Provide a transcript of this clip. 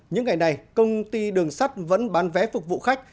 những ngày này công ty đường sắt vẫn bán vé phục vụ khách